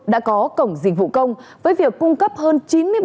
đã có cổng dịch vụ công với việc cung cấp hơn chín mươi bảy ba